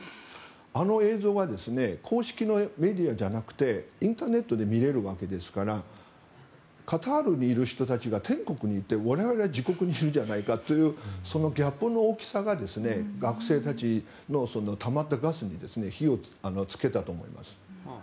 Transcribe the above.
あの映像は公式のメディアじゃなくてインターネットで見れるわけですからカタールにいる人たちが天国にいて我々は地獄にいるじゃないかというそのギャップの大きさが学生たちのたまったガスに火をつけたと思います。